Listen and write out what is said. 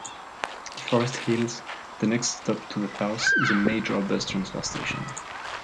Forest Hills, the next stop to the south, is a major bus transfer station.